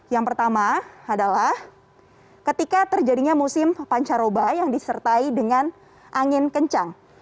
yang pertama adalah ketika terjadinya musim pancaroba yang disertai dengan angin kencang